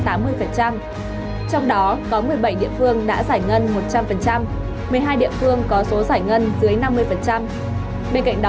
trong đó có một mươi bảy địa phương đã giải ngân một trăm linh một mươi hai địa phương có số giải ngân dưới năm mươi